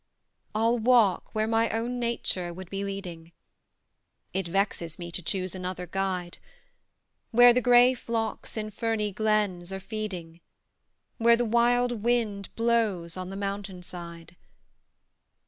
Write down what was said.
I'll walk where my own nature would be leading: It vexes me to choose another guide: Where the grey flocks in ferny glens are feeding; Where the wild wind blows on the mountain side.